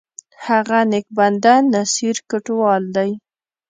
هغه نیک بنده، نصیر کوټوال دی!